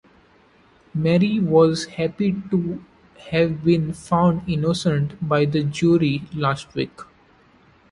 Mary was happy to have been found innocent by the jury last week.